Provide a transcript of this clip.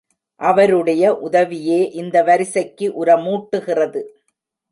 அவருடைய உதவியே இந்த வரிசைக்கு உரமூட்டுகிறது.